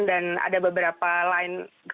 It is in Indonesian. dan ada beberapa lainnya